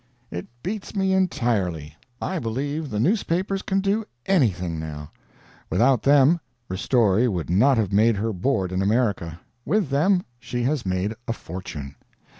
It beats me, entirely. I believe the newspapers can do anything, now. Without them, Ristori would not have made her board in America; with them, she has made a fortune.